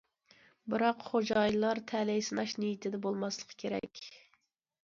بىراق خوجايىنلار تەلەي سىناش نىيىتىدە بولماسلىقى كېرەك.